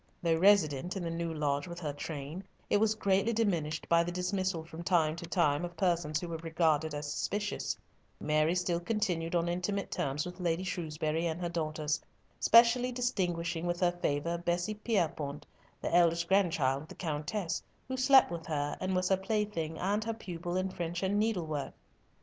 Though resident in the new lodge with her train, it was greatly diminished by the dismissal from time to time of persons who were regarded as suspicious; Mary still continued on intimate terms with Lady Shrewsbury and her daughters, specially distinguishing with her favour Bessie Pierrepoint, the eldest grandchild of the Countess, who slept with her, and was her plaything and her pupil in French and needlework.